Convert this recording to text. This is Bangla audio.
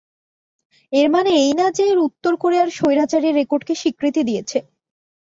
এর মানে এই নয় যে উত্তর কোরিয়ার স্বৈরাচারী রেকর্ডকে স্বীকৃতি দিয়েছে।